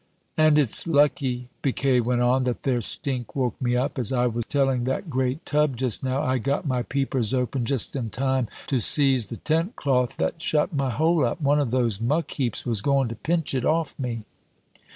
"And it's lucky," Biquet went on, "that their stink woke me up. As I was telling that great tub just now, I got my peepers open just in time to seize the tent cloth that shut my hole up one of those muck heaps was going to pinch it off me."